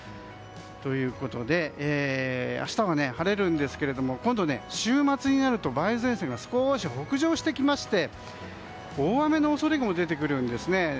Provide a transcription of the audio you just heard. ということで、明日は晴れるんですけども今度、週末になると梅雨前線が少し北上してきまして大雨の恐れも出てくるんですね。